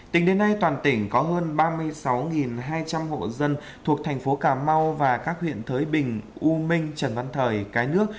tính đến nay toàn tỉnh có hơn ba mươi sáu hai trăm linh hộ dân thuộc thành phố cà mau và các huyện thới bình u minh trần văn thời cái nước